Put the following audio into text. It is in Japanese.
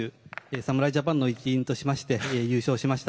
侍ジャパンの一員としまして優勝しました。